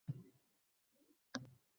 Tabassum qiladi